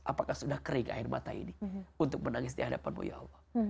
apakah sudah kering air mata ini untuk menangis di hadapanmu ya allah